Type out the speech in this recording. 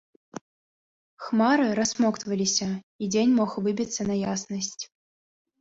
Хмары рассмоктваліся, і дзень мог выбіцца на яснасць.